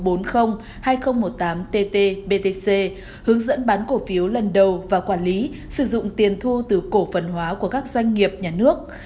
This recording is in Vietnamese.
bộ tài chính vừa ban hành thông tư số bốn mươi hai nghìn một mươi chín tt btc hướng dẫn bán cổ phiếu lần đầu và quản lý sử dụng tiền thu từ cổ phần hóa của các doanh nghiệp nhà nước